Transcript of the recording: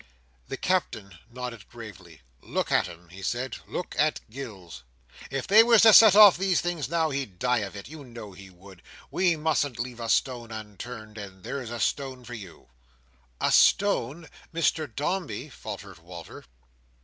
The Captain nodded gravely. "Look at him," he said. "Look at Gills. If they was to sell off these things now, he'd die of it. You know he would. We mustn't leave a stone unturned—and there's a stone for you." "A stone!—Mr Dombey!" faltered Walter.